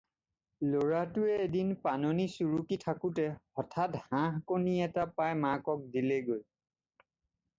ল'ৰাটোৱে এদিন পাণনি চুৰুকি থাকোঁতে হঠাত্ হাঁহ-কণী এটা পাই মাকক দিলেগৈ।